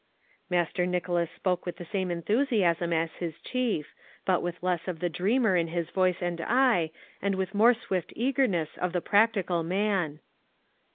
Master Nicholas spoke with the same enthusiasm as his chief, but with less of the dreamer in his voice and eye, and with more swift eagerness of the practical man.